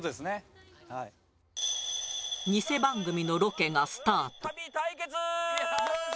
偽番組のロケがスタート。